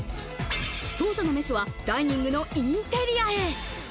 捜査のメスはダイニングのインテリアへ。